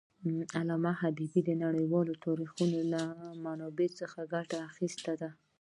علامه حبيبي د نړیوالو تاریخونو له منابعو ګټه اخېستې ده.